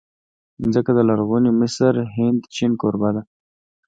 مځکه د لرغوني مصر، هند، چین کوربه ده.